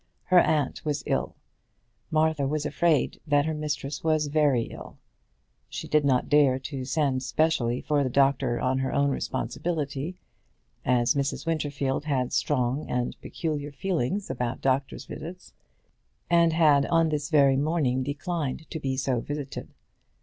Her aunt was ill. Martha was afraid that her mistress was very ill. She did not dare to send specially for the doctor on her own responsibility, as Mrs. Winterfield had strong and peculiar feelings about doctors' visits, and had on this very morning declined to be so visited.